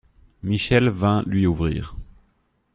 Michelle vint lui ouvrir.